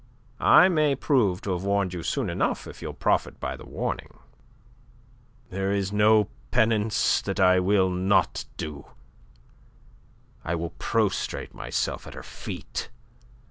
"I may prove to have warned you soon enough if you'll profit by the warning." "There is no penance I will not do. I will prostrate myself at her feet.